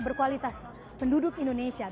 berkualitas penduduk indonesia